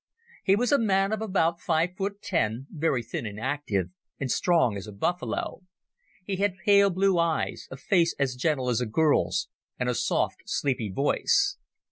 He was a man of about five foot ten, very thin and active, and as strong as a buffalo. He had pale blue eyes, a face as gentle as a girl's, and a soft sleepy voice.